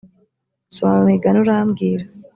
soma mumigani urambwira.